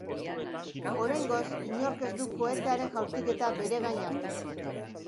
Oraingoz, inork ez du kohetearen jaurtiketa beregain hartu.